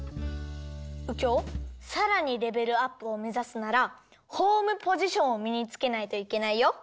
うきょうさらにレベルアップをめざすならホームポジションをみにつけないといけないよ。